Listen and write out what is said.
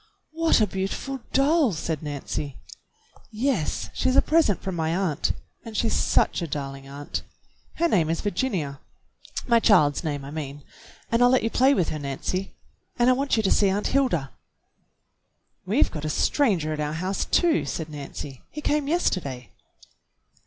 "What a beautiful doll!" said Nancy. "Yes, she's a present from my aunt. And she's such a darling aunt! Her name is Virginia, — my child's name, I mean, — and I'll let you play with her, Nancy. And I want you to see Aunt Hilda." "We've got a stranger at our house, too," said Nancy. "He came yesterday."